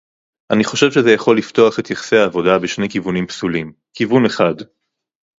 אני חושב שזה יכול לפתוח את יחסי העבודה בשני כיוונים פסולים: כיוון אחד